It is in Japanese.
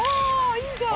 いいじゃん！